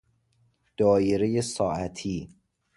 دایره ساعتی